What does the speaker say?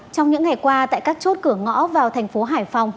trong những ngày qua tại các chốt cửa ngõ vào thành phố hải phòng